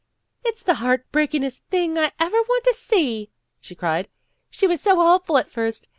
'' It 's the heart breakingest thing I ever want to see," she cried. "She was so hopeful at first.